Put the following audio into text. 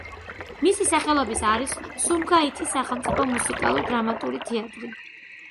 მისი სახელობის არის სუმგაითის სახელმწიფო მუსიკალურ-დრამატული თეატრი.